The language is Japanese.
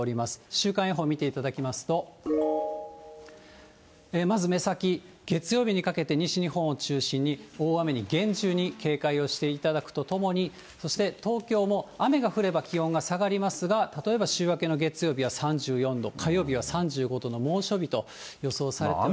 週間予報見ていただきますと、まず目先、月曜日にかけて西日本を中心に、大雨に厳重に警戒をしていただくとともに、そして東京も雨が降れば気温が下がりますが、例えば週明けの月曜日は３４度、火曜日は３５度の猛暑日と予想されています。